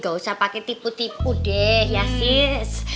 gak usah pakai tipu tipu deh ya sis